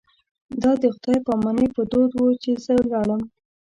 دا د خدای په امانۍ په دود و چې زه لاړم.